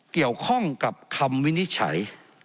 เกี่ยวข้องกับคำวินิจฉัย